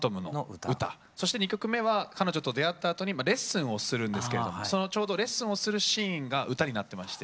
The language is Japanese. そして２曲目は彼女と出会ったあとにレッスンをするんですけれどもそのちょうどレッスンをするシーンが歌になってまして。